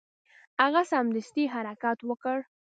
هغه سمدستي حرکت وکړ.